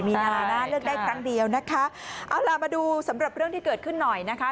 มีนานะเลือกได้ครั้งเดียวนะคะเอาล่ะมาดูสำหรับเรื่องที่เกิดขึ้นหน่อยนะคะ